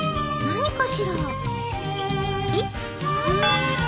何かしら？